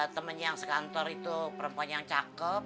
temen yang sekantor itu perempuan yang cakep